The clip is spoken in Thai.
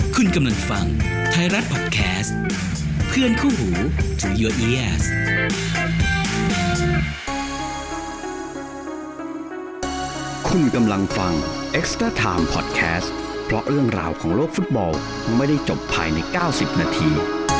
คุณกำลังฟังไทยรัฐพอดแคสต์เพื่อนคู่หูที่คุณกำลังฟังพอดแคสต์เพราะเรื่องราวของโลกฟุตบอลไม่ได้จบภายใน๙๐นาที